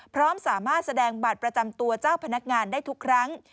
พร้อมสามารถแสดงบัตรประจำตัวเจ้าพนักงานได้ทุกครั้ง